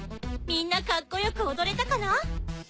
みんなかっこよくおどれたかな？